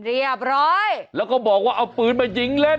เรียบร้อยแล้วก็บอกว่าเอาปืนมายิงเล่น